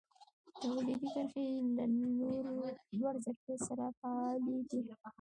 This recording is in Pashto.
تولیدي کرښې له لوړ ظرفیت سره فعالې دي.